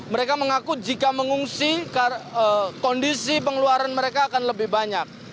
mereka mengaku jika mengungsi kondisi pengeluaran mereka akan lebih banyak